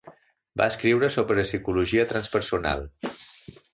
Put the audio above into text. Va escriure sobre Psicologia transpersonal.